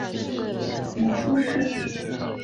母舒氏。